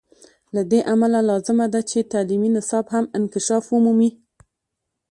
له دې امله لازمه ده چې تعلیمي نصاب هم انکشاف ومومي.